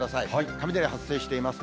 雷発生しています。